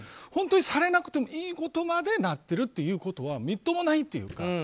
本当にされなくてもいいことまでなってるということはみっともないというか。